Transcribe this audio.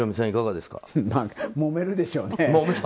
まあ、もめるでしょうね。